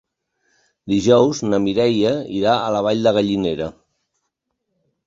Dijous na Mireia irà a la Vall de Gallinera.